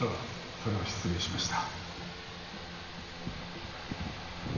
それは失礼しました